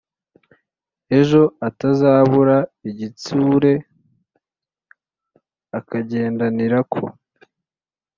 ejo atazabura igitsure, akagendanira ko.